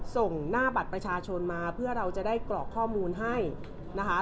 ส่งหน้าบัตรประชาชนมาเพื่อเราจะได้กรอกข้อมูลให้นะคะ